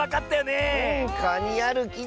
ねえかにあるき。